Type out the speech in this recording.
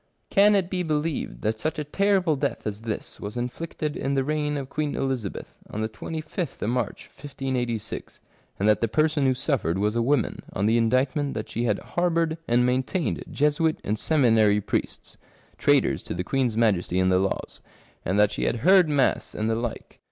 Can it be believed that such a terrible death as this was inflicted in the reign of Queen Elizabeth, on the asth of March 1586, and that the person who suffered was a woman, on the indictment " that she had harboured and maintained Jesuit and seminary 95 Curiosities of Olden Times priests, traitors to the Queen's Majesty and the laws ; and that she had heard mass, and the like."